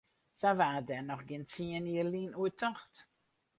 Sa waard dêr noch gjin tsien jier lyn oer tocht.